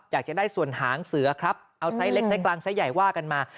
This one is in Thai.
อยากจะได้ส่วนหางเสือครับเอาไซส์เล็กไซสกลางไซส์ใหญ่ว่ากันมา